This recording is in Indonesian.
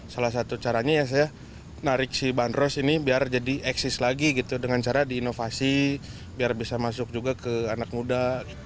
salah satu caranya ya saya narik si bandros ini biar jadi eksis lagi gitu dengan cara diinovasi biar bisa masuk juga ke anak muda